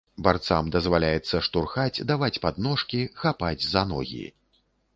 Барцам дазваляецца штурхаць, даваць падножкі, хапаць за ногі.